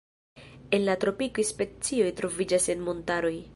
En la tropikoj specioj troviĝas en montaroj.